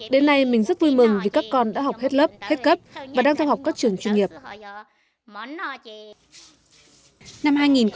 đến nay mình rất vui mừng vì các con đã học hết lớp hết cấp và đang theo học các trường chuyên nghiệp